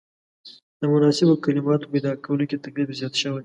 د مناسبو کلماتو په پیدا کولو کې تکلیف زیات شوی.